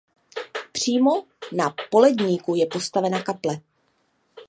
Přímo na poledníku je postavena kaple.